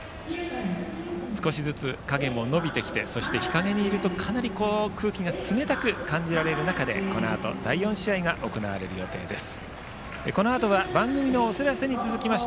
少しずつ影も伸びてきてそして、日陰にいるとかなり空気が冷たく感じられる中このあと、第４試合が行われる予定です。